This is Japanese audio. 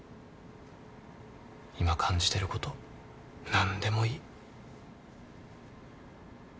今感じてること何でもいい。